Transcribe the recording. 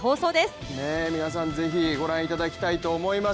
皆さん、ぜひご覧いただきたいと思います。